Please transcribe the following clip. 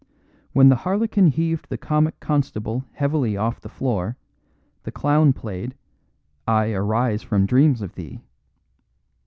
When the harlequin heaved the comic constable heavily off the floor the clown played "I arise from dreams of thee."